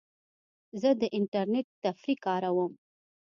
زه د انټرنیټ تفریح کاروم.